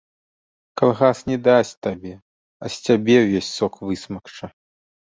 Калгас не дасць табе, а з цябе ўвесь сок высмакча.